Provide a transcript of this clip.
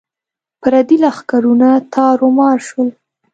پردي لښکرونه تارو مار شول.